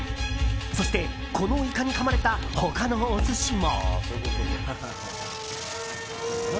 そして、このイカにかまれた他のお寿司も。